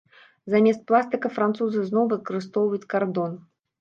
Замест пластыка французы зноў выкарыстоўваюць кардон.